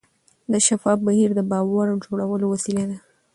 شفاف بهیر د باور جوړولو وسیله ده.